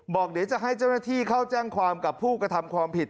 บอกเดี๋ยวจะให้เจ้าหน้าที่เข้าแจ้งความกับผู้กระทำความผิด